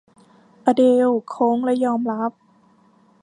อเดลล์โค้งและยอมรับ